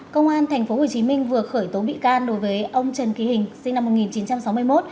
công an tp hcm vừa khởi tố bị can đối với ông trần kỳ hình sinh năm một nghìn chín trăm sáu mươi một